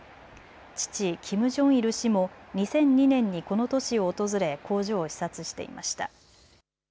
父キム・ジョンイル氏も２００２年にこの都市を訪れ工場を視察していました。